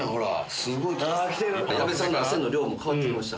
矢部さんの汗の量も変わってきました？